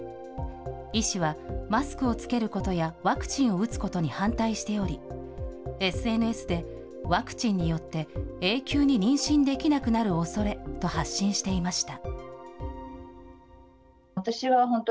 医師はマスクを着けることやワクチンを打つことに反対しており、ＳＮＳでワクチンによって、永久に妊娠できなくなるおそれと発信していました。